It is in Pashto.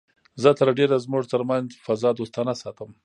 زه تر ډېره زموږ تر منځ فضا دوستانه ساتم